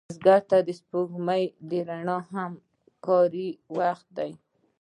بزګر ته د سپوږمۍ رڼا هم کاري وخت دی